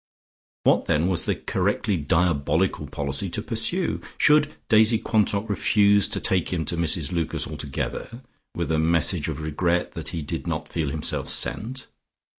What then was the correctly diabolical policy to pursue? Should Daisy Quantock refuse to take him to Mrs Lucas altogether, with a message of regret that he did not feel himself sent?